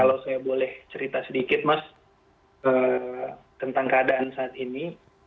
kalau saya boleh cerita sedikit mas tentang keadaan saat ini